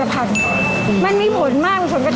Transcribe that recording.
ของเรามีมีผลมากมีส่วนกระทบมาก